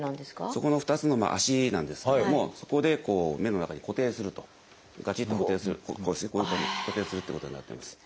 そこの２つの足なんですけどもそこで目の中に固定するとがちっと固定する固定するっていうことになってます。